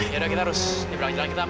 yaudah kita harus di perang jalan kita